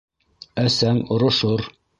Әсәң орошор.